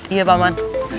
iya pak man